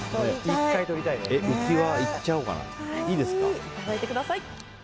うきわいっちゃおうかな。